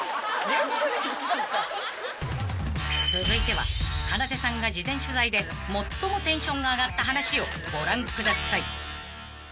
［続いてはかなでさんが事前取材で最もテンションが上がった話をご覧ください］